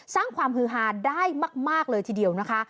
สร้างความฮือฮาได้มากเลยทีเดียวนะคะ